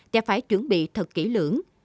chả phải chuẩn bị thật kỹ lưỡng